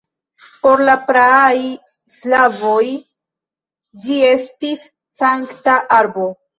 Por la praaj slavoj ĝi estis sankta arbo.